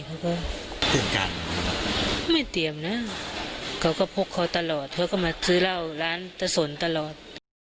เขาก็ตื่นกันไม่เตรียมนะเขาก็พกเขาตลอดเขาก็มาซื้อเหล้าร้านตะสนตลอด